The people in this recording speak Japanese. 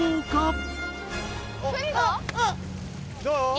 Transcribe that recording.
どう？